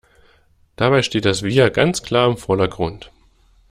Dabei steht das Wir ganz klar im Vordergrund.